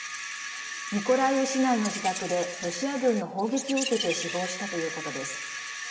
ミコライウ市内の自宅でロシア軍の砲撃を受けて死亡したということです。